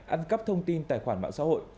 ăn cắp thông tin tài khoản mạng xã hội